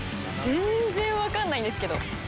全然分かんないんですけど。